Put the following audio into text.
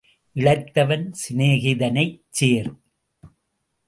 இளைத்தவன் சிநேகிதனைச் சேர்.